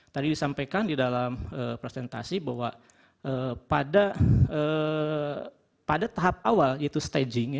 tadi disampaikan di dalam presentasi bahwa pada tahap awal yaitu staging